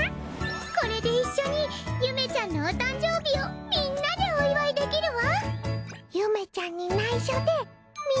これで一緒にゆめちゃんのお誕生日をみんなでお祝いできるわ！